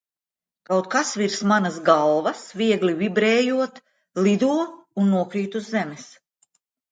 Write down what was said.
Kaut kas virs manas galvas, viegli vibrējot, lido un nokrīt uz zemes.